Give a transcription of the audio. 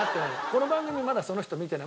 この番組まだその人見てない。